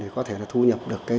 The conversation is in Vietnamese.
có thể phát triển các loại dược liệu